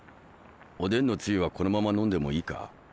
おでんのつゆはこのまま飲んでもいいか？